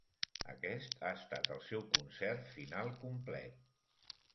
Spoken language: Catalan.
Aquest ha estat el seu concert final complet.